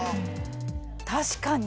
確かに。